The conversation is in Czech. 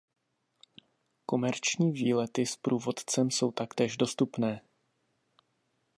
Komerční výlety s průvodcem jsou taktéž dostupné.